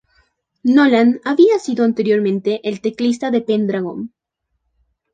Nolan había sido anteriormente el teclista de Pendragon.